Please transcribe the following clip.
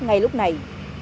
ngay lúc này